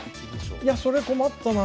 いやそれ困ったな。